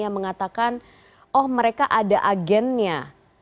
yang mengatakan oh mereka ada agennya